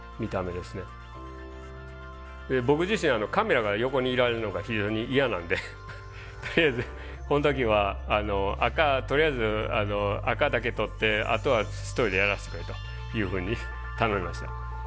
僕自身カメラが横にいられるのが非常に嫌なんでこの時は赤とりあえず赤だけ撮ってあとは一人でやらせてくれというふうに頼みました。